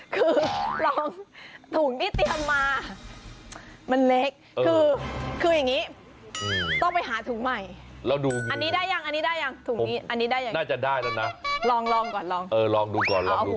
คือลองถุงที่เตรียมมามันเล็ก